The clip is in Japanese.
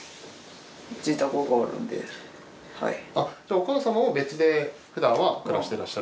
お母様も別でふだんは暮らしてらっしゃる。